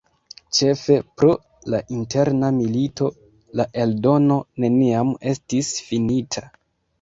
Ĉefe pro la Interna milito, la eldono neniam estis finita.